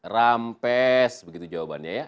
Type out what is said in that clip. rampes begitu jawabannya ya